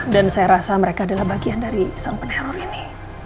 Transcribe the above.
dan saya rasa mereka adalah bagian dari sang peneror ini